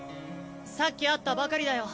さっき会ったばかりだよ。